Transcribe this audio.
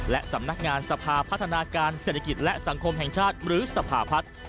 และสำนักงานสภาพัฒนาการเศรษฐกิจและสังคมแห่งชาติหรือสภาพัฒน์